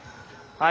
はい！